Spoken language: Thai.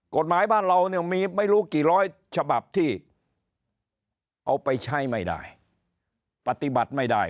กฎหมายบ้านเราเนี่ยมีไม่รู้กี่ร้อยฉบับที่เอาไปใช้ไม่ได้ปฏิบัติไม่ได้